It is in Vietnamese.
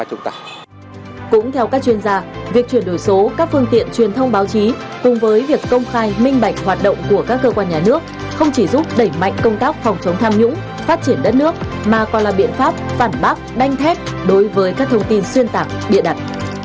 cũng theo các chuyên gia việc chuyển đổi số các phương tiện truyền thông báo chí cùng với việc công khai minh bạch hoạt động của các cơ quan nhà nước không chỉ giúp đẩy mạnh công tác phòng chống tham nhũng phát triển đất nước mà còn là biện pháp phản bác đánh thép đối với các thông tin xuyên tạc bịa đặt